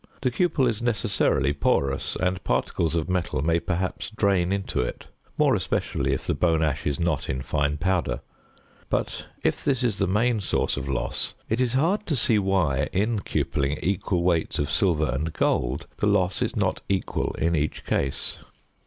The cupel is necessarily porous, and particles of metal may perhaps drain into it, more especially if the bone ash is not in fine powder; but if this is the main source of loss it is hard to see why, in cupelling equal weights of silver and gold, the loss is not equal in each case.